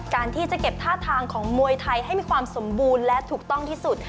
การที่จะเก็บท่าทางของมวยไทยให้มีความสมบูรณ์และถูกต้องที่สุด